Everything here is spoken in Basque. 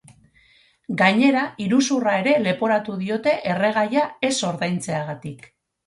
Gainera, iruzurra ere leporatu diote erregaia ez ordaintzeagatik.